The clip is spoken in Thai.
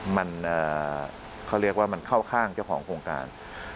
มันเขาเรียกว่ามันเข้าข้างเจ้าของโครงการ